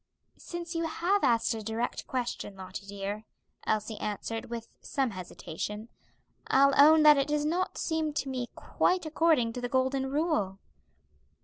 "Since you have asked a direct question, Lottie, dear," Elsie answered, with some hesitation, "I'll own that it does not seem to me quite according to the golden rule."